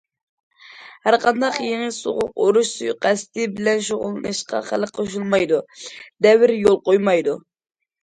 ھەرقانداق« يېڭى سوغۇق ئۇرۇش» سۇيىقەستى بىلەن شۇغۇللىنىشقا خەلق قوشۇلمايدۇ، دەۋر يول قويمايدۇ!